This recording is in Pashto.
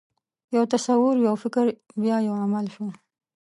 یو تصور، یو فکر، بیا یو عمل شو.